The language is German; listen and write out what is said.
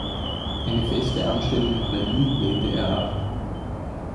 Eine feste Anstellung in Berlin lehnte er ab.